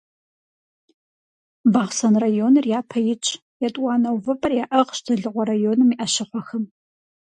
Бахъсэн районыр япэ итщ, етӀуанэ увыпӀэр яӀыгъщ Дзэлыкъуэ районым и Ӏэщыхъуэхэм.